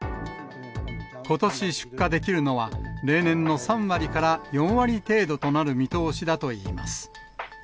ことし出荷できるのは、例年の３割から４割程度となる見通しだといいます。